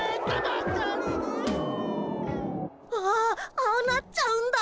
ああああなっちゃうんだ。